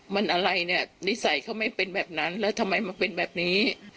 มันอะไรเนี่ยนิสัยเขาไม่เป็นแบบนั้นแล้วทำไมมันเป็นแบบนี้